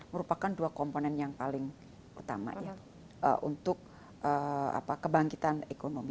merupakan dua komponen yang paling utama untuk kebangkitan ekonomi